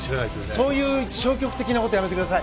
そういう消極的なことやめてください。